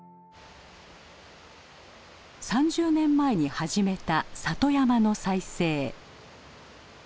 ３０年前に始めた里山の再生。